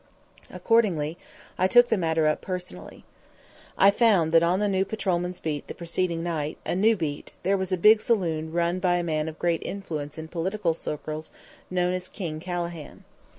Accordingly, I took the matter up personally. I found that on the new patrolman's beat the preceding night a new beat there was a big saloon run by a man of great influence in political circles known as "King" Calahan.